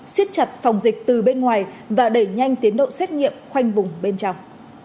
xiết chặt phòng dịch từ bên ngoài và đẩy nhanh tiến độ xét nghiệm khoanh vùng bên trong